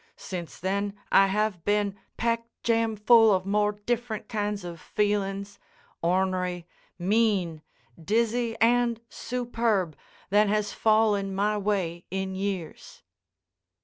Since then I have been packed jam full of more different kinds of feelings, ornery, mean, dizzy, and superb, than has fallen my way in years."